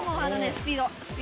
スピード。